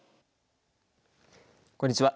こんにちは。